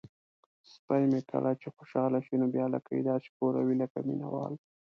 سپی مې کله چې خوشحاله شي نو بیا لکۍ داسې ښوروي لکه مینه وال.